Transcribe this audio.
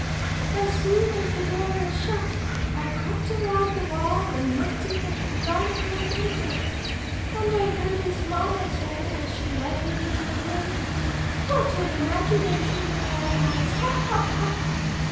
As soon as the door was shut, I crept along the wall and looked in at the dining room window. And I heard his mamma say, as she led him into the room, 'What an imagination the boy has!' Ha! ha! ha!